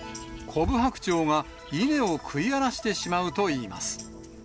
コブハクチョウが稲を食い荒らしてしまうといいます。